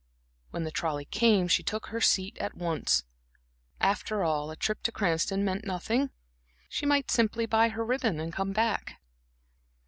When the trolley came she took her seat at once. After all a trip to Cranston meant nothing; she might simply buy her ribbon and come back.